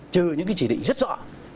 trừ những cái chỉ định rất rõ